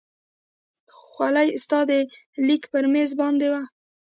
خولۍ ستا د لیک پر مېز پرته وه.